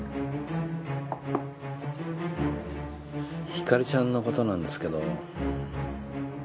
ひかりちゃんのことなんですけど。